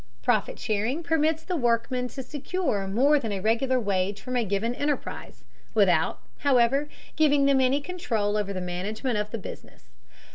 Profit sharing permits the workmen to secure more than a regular wage from a given enterprise, without, however, giving them any control over the management of the business.